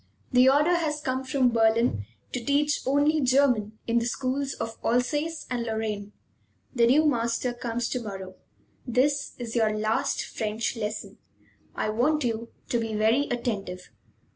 The order has come from Berlin to teach only German in the schools of Alsace and Lorraine. The new master comes to morrow. This is your last French lesson. I want you to be very attentive."